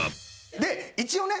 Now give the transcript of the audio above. で一応ね